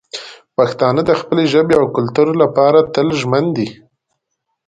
پښتانه د خپلې ژبې او کلتور لپاره تل ژمن دي.